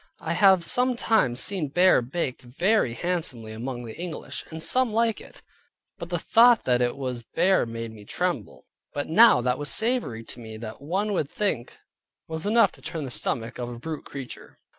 I have sometime seen bear baked very handsomely among the English, and some like it, but the thought that it was bear made me tremble. But now that was savory to me that one would think was enough to turn the stomach of a brute creature.